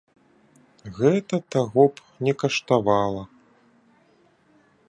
Гэта таго б не каштавала.